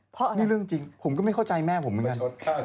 ผมก็ไม่เข้าใจแม่ผมรึงั้น